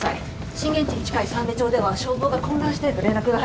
震源地に近い山琶町では消防が混乱していると連絡が入っています。